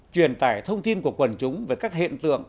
truyền tải thông tin của quần chúng về các hiện tượng